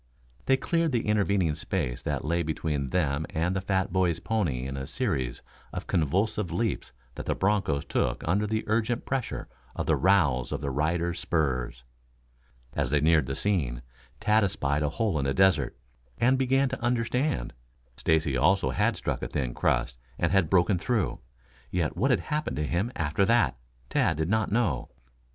They cleared the intervening space that lay between them and the fat boy's pony in a series of convulsive leaps that the bronchos took under the urgent pressure of the rowels of their riders' spurs. As they neared the scene Tad espied a hole in the desert, and began to understand. Stacy also had struck a thin crust and had broken through. Yet what had happened to him after that, Tad did not know.